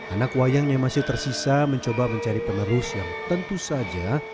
anak wayang yang masih tersisa mencoba mencari penerus yang tentu saja